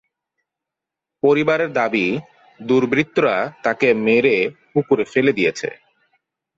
পরিবারের দাবি, দুর্বৃত্তরা তাঁকে মেরে পুকুরে ফেলে দিয়েছে।